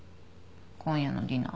今夜のディナー。